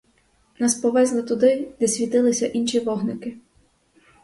Нас повезли туди, де світилися інші вогники.